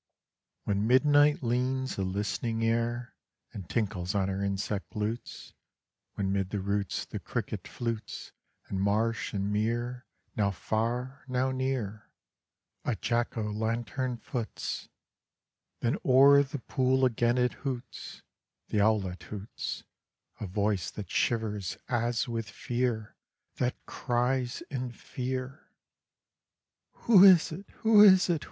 III When midnight leans a listening ear And tinkles on her insect lutes; When 'mid the roots the cricket flutes, And marsh and mere, now far, now near, A jack o' lantern foots: Then o'er the pool again it hoots, The owlet hoots: A voice that shivers as with fear, That cries in fear: "Who is it, who is it, who?